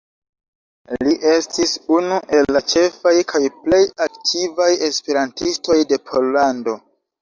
Li estis unu el la ĉefaj kaj plej aktivaj esperantistoj de Pollando.